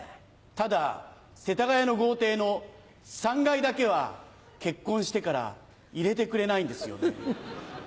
ただ世田谷の豪邸の３階だけは結婚してから入れてくれないんですよね。